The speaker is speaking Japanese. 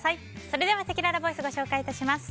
それではせきららボイスご紹介致します。